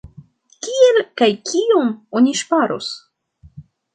Kiel kaj kiom oni ŝparos?